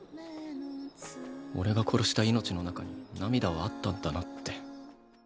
俺が殺した命の中に涙はあったんだなって。